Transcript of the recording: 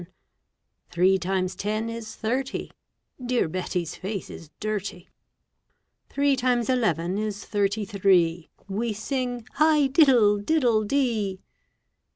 Three times ten is thirty. Dear Betty's face is dirty. Three times eleven is thirty three, We sing "high diddle, diddle dee!"